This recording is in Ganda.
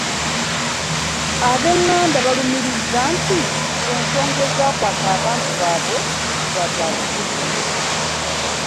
Ab'eŋŋanda balumirizza nti ensonga ezaakwasa abantu baabwe za byabufuzi